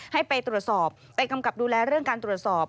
ให้ไปตรวจสอบไปกำกับดูแลเรื่องการตรวจสอบ